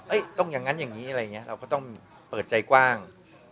ต้องอย่างนั้นอย่างนี้อะไรอย่างนี้เราก็ต้องเปิดใจกว้าง